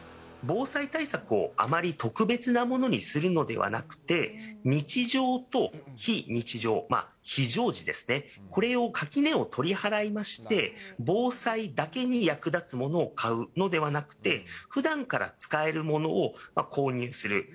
防災対策をあまり特別なものにするのではなくて、日常と非日常、非常時ですね、これを垣根を取り払いまして、防災だけに役立つものを買うのではなくて、ふだんから使えるものを購入する。